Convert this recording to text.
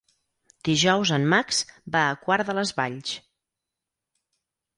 Dijous en Max va a Quart de les Valls.